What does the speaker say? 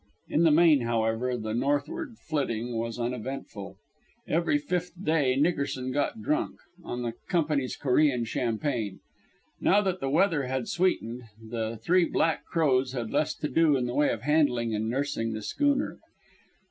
In the main, however, the northward flitting was uneventful. Every fifth day Nickerson got drunk on the Company's Corean champagne. Now that the weather had sweetened, the Three Black Crows had less to do in the way of handling and nursing the schooner.